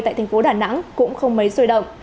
tại thành phố đà nẵng cũng không mấy sôi động